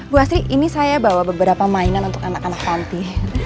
bu asri ini saya bawa beberapa mainan untuk anak anak panti